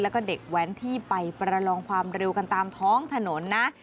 แล้วก็เด็กแว้นที่ไปประลองความเร็วกันตามท้องถนนนะ